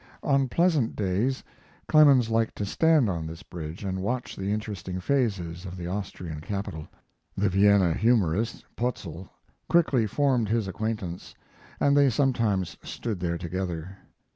On pleasant days Clemens liked to stand on this bridge and watch the interesting phases of the Austrian capital. The Vienna humorist, Poetzl, quickly formed his acquaintance, and they sometimes stood there together.